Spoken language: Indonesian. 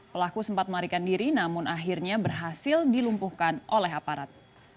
pelaku sempat melarikan diri namun akhirnya berhasil dilumpuhkan oleh aparat